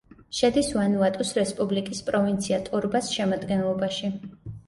შედის ვანუატუს რესპუბლიკის პროვინცია ტორბას შემადგენლობაში.